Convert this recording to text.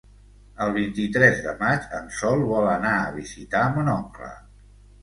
El vint-i-tres de maig en Sol vol anar a visitar mon oncle.